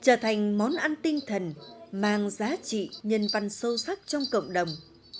trở thành món ăn tinh thần mang giá trị nhân văn sâu sắc trong cộng đồng